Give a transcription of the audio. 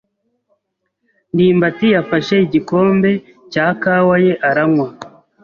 ndimbati yafashe igikombe cya kawa ye aranywa.